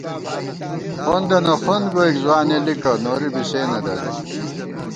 خَوندَنہ خَوند گوئیک ځوانېلِکہ ، نوری بی سے نہ درُوئی